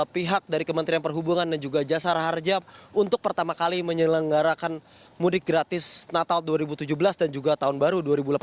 pihak dari kementerian perhubungan dan juga jasar harja untuk pertama kali menyelenggarakan mudik gratis natal dua ribu tujuh belas dan juga tahun baru dua ribu delapan belas